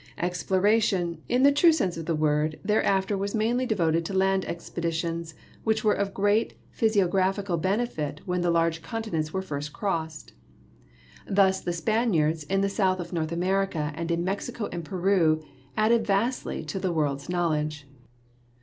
Exploration, in the true sense of the word, thereafter was mainly devoted to land expeditions, which were of great physiographical benefit when the large continents were first crossed. Thus the Spaniards in the south of North America and in Mexico and Peru added vastly to the world's knowledge.